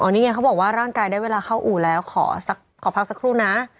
นี่ไงเขาบอกว่าร่างกายได้เวลาเข้าอู่แล้วขอพักสักครู่นะ